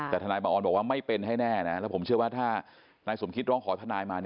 แต่ทนายบังออนบอกว่าไม่เป็นให้แน่นะแล้วผมเชื่อว่าถ้านายสมคิดร้องขอทนายมา